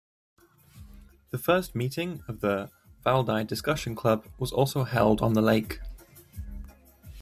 The first meeting of the Valdai Discussion Club was also held on the lake.